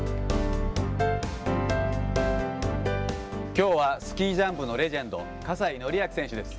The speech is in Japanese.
きょうはスキージャンプのレジェンド、葛西紀明選手です。